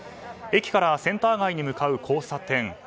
駅からセンター街へ向かう交差点。